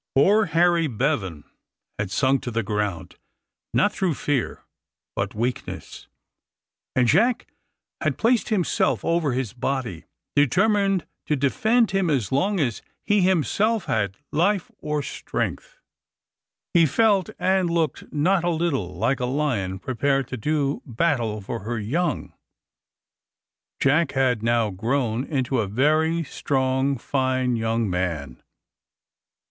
Poor Harry Bevan had sunk to the ground, not through fear, but weakness; and Jack had placed himself over his body, determined to defend him as long as he himself had life or strength. He felt and looked not a little like a lion prepared to do battle for her young. Jack had now grown into a very strong fine young man.